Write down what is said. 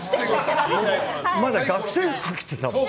まだ学生服、着てたもん。